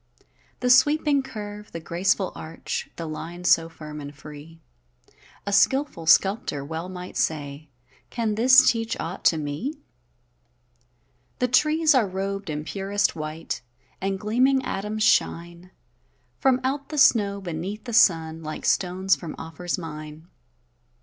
The sweeping curve, the graceful arch, The line so firm and free; A skilful sculptor well might say: "Can this teach aught to me?" The trees are rob'd in purest white, And gleaming atoms shine From out the snow, beneath the sun, Like stones from Ophir's mine.